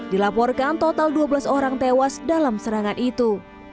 dilaporkan total dua belas orang tewas dalam serangan itu